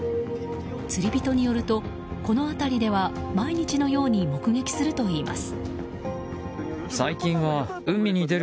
釣り人によるとこの辺りでは、毎日のように目撃するといいます。